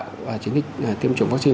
triển khai chiến dịch tiêm chủng vaccine